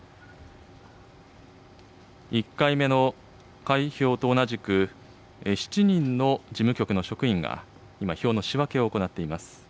１回目の開票と同じく、７人の事務局の職員が今、票の仕分けを行っています。